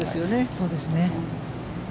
そうですね。